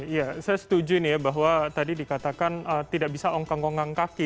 ya saya setuju ini ya bahwa tadi dikatakan tidak bisa ongkang ongkang kaki